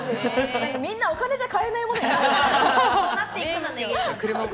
みんなお金じゃ買えないもの。